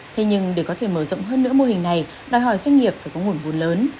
thế nhưng để có thể mở rộng hơn nữa mô hình này đòi hỏi doanh nghiệp phải có nguồn vốn lớn